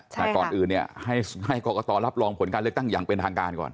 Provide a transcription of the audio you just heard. แต่ก่อนอื่นเนี่ยให้กรกตรับรองผลการเลือกตั้งอย่างเป็นทางการก่อน